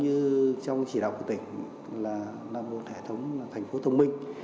như trong chỉ đạo của tỉnh là một hệ thống thành phố thông minh